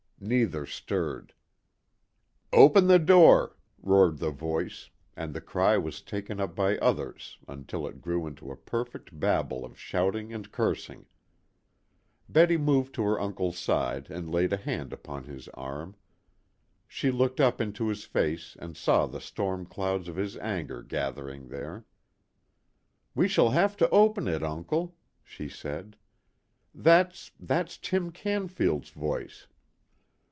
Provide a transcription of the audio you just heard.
Neither stirred. "Open the door!" roared the voice, and the cry was taken up by others until it grew into a perfect babel of shouting and cursing. Betty moved to her uncle's side and laid a hand upon his arm. She looked up into his face and saw the storm clouds of his anger gathering there. "We shall have to open it, uncle," she said. "That's that's Tim Canfield's voice."